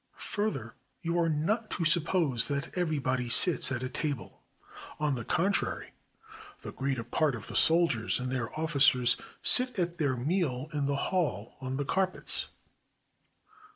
Further, you are not to suppose that everybody sits at table; on the contrary, the greater part of the soldiers and their officers sit at their meal in the hall on the carpets.